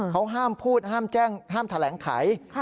เขาห้ามพูดห้ามแจ้งห้ามแถลงไข